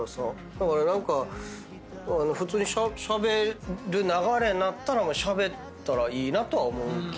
だから何か普通にしゃべる流れになったらしゃべったらいいなとは思うけどね。